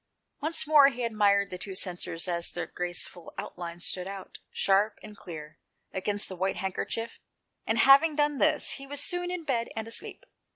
Once more he admired the two censers as their graceful outlines stood out, sharp and clear, against the white handkerchief, and having done this, he was soon in bed and asleep.